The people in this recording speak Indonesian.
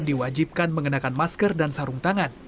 diwajibkan mengenakan masker dan sarung tangan